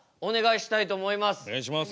お願いします。